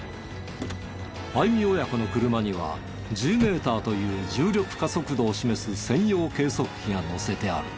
相見親子の車にはＧメーターという重力加速度を示す専用計測器が載せてある。